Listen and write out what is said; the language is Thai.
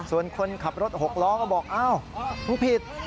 ส่วนคนขับรถหกล้อก็บอกอ้าวมึงผิด